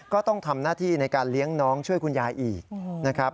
ก็ต้องทำหน้าที่ในการเลี้ยงน้องช่วยคุณยายอีกนะครับ